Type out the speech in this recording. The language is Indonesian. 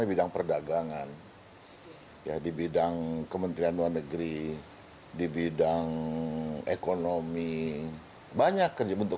bidang perdagangan ya di bidang kementerian luar negeri di bidang ekonomi banyak bentuk